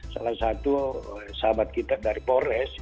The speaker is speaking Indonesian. salah satu sahabat kita dari polres